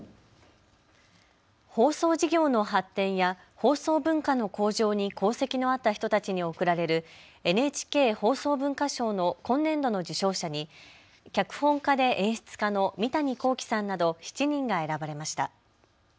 放送事業の発展や放送文化の向上に功績のあった人たちに贈られるＮＨＫ放送文化賞の今年度の受賞者に脚本家で演出家の三谷幸喜さんなど７人が選ばれました。